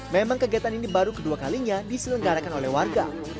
memang kegiatan ini baru kedua kalinya diselenggarakan oleh warga